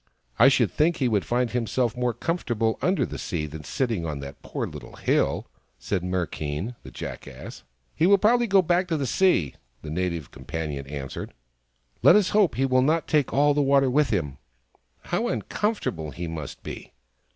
" I should think he would find himself more comfortable under the sea than sitting on that poor little hill !" said Merkein, the Jackass. " He will probably go back to the sea," the Native THE FROG THAT LAUGHED 123 Companion answered. " Let us hope he will not take all the water with him." " How uncomfortable he must be